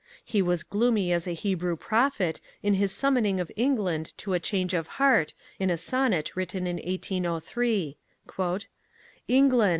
He was gloomy as a Hebrew prophet in his summoning of England to a change of heart in a sonnet written in 1803: England!